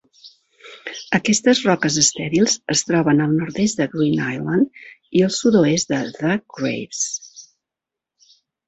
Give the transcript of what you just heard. Aquestes roques estèrils es troben al nord-est de Green Island i al sud-oest de The Graves.